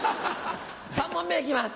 ３問目いきます。